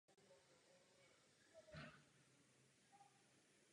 Věřím však, že k tomuto dojde co nejdříve.